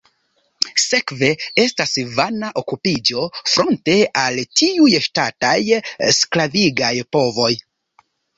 Sekve estas vana okupiĝo, fronte al tiuj ŝtataj, sklavigaj povoj.